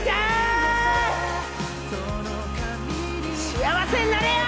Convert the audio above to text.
幸せになれよ！